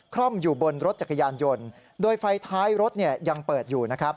ร่องอยู่บนรถจักรยานยนต์โดยไฟท้ายรถเนี่ยยังเปิดอยู่นะครับ